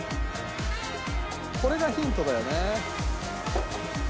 これがヒントだよね。